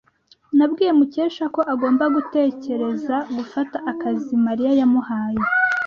Nabwiye Mukesha ko agomba gutekereza gufata akazi Mariya yamuhaye.